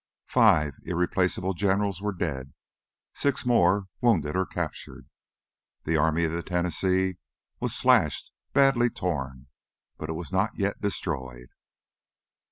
Five irreplaceable generals were dead; six more, wounded or captured. The Army of the Tennessee was slashed, badly torn ... but it was not yet destroyed.